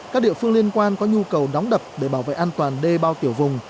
các địa phương liên quan có nhu cầu đóng đập để bảo vệ an toàn đê bao tiểu vùng